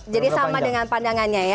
jadi sama dengan pandangannya ya